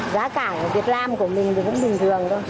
giá cả của việt nam của mình thì cũng bình thường thôi